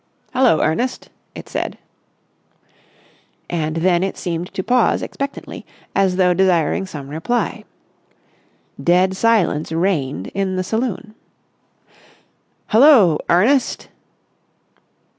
"Hullo, Ernest," it said. And then it seemed to pause expectantly, as though desiring some reply. Dead silence reigned in the saloon. "Hullo, Ernest!"